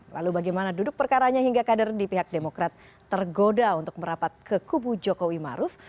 lalu bagaimana duduk perkaranya hingga kader di pihak demokrat tergoda untuk merapat ke kubu jokowi maruf